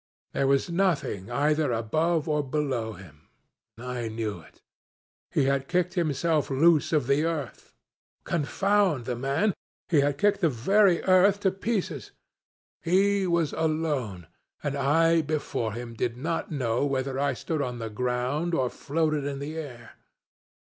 There was nothing either above or below him, and I knew it. He had kicked himself loose of the earth. Confound the man! he had kicked the very earth to pieces. He was alone, and I before him did not know whether I stood on the ground or floated in the air.